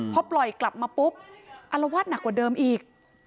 พอปล่อยกลับมาปุ๊บอารวาสหนักกว่าเดิมอีก